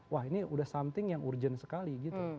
wah ini udah something yang urgent sekali gitu